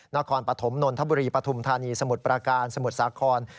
นครปฐมนนทบุรีปฐุมธานีสมุทรประการสมุทรสาคร